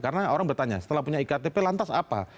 karena orang bertanya setelah punya iktp lantas apa